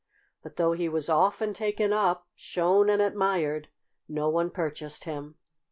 But, though he was often taken up, shown and admired, no one purchased him.